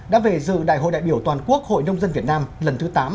đã về dự đại hội đại biểu toàn quốc hội nông dân việt nam lần thứ tám